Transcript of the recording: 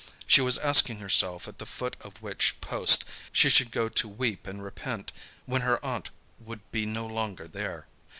She was asking herself at the foot of which post she should go to weep and repent, when her aunt would be no longer there.